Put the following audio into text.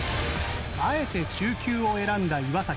あえて中級を選んだ岩。